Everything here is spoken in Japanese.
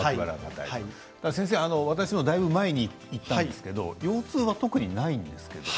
私は、だいぶ前に行ったんですけれど腰痛は特にないんですよ。